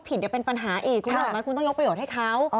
ผิดจะเป็นปัญหาอีกคุณรู้หรือไม่คุณต้องยกประโยชน์ให้เขา